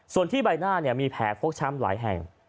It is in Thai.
ส่วนที่ใบหน้ามีแผลฟกช้ำหลายแห่ง